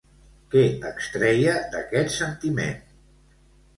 Què extreia d'aquest sentiment?